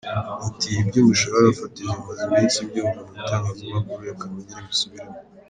Ati” Iby’umushahara fatizo maze iminsi mbyumva mu itangazamakuru, reka nongere mbisubiremo.